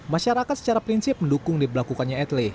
masyarakat secara prinsip mendukung diberlakukannya etle